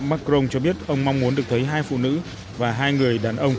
macron cho biết ông mong muốn được thấy hai phụ nữ và hai người đàn ông